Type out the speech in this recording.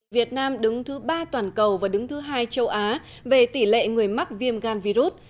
việt nam đứng thứ ba toàn cầu và đứng thứ hai châu á về tỷ lệ người mắc viêm gan virus